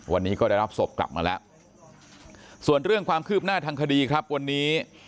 วันนี้ก็ได้รับศพกลับมาแล้วส่วนเรื่องความคืบหน้าทางคดีครับวันนี้